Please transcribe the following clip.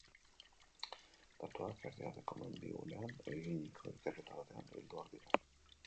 Datuak Erdialdeko Mendigunean eginiko ikerketa batean bilduak dira.